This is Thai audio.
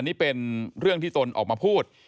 นี่เป็นเรื่องที่ตนออกมาพูด